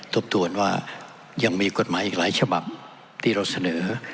ทบทวนว่ายังมีกฎหมายอีกหลายฉบับที่เราเสนอ